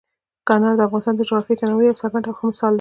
انار د افغانستان د جغرافیوي تنوع یو څرګند او ښه مثال دی.